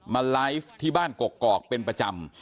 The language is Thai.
มาไลฟ์ที่บ้านกกอกเป็นประจำ